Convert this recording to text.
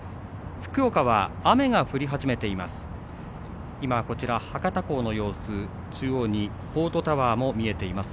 福岡は雨が降り始めています。